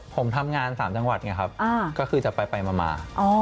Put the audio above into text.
ผมทำงาน๓จังหวัดไงครับก็คือจะไปมา